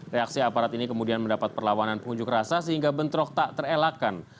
reaksi aparat ini kemudian mendapat perlawanan pengunjuk rasa sehingga bentrok tak terelakkan